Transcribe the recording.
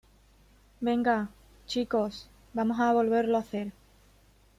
venga, chicos, vamos a volverlo a hacer